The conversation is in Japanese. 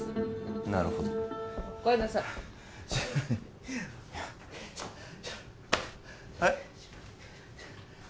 なるほどお帰りなさいはい？